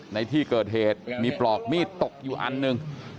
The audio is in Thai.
ในที่เกิดเหตุมีปลอกมีดตกอยู่อันหนึ่ง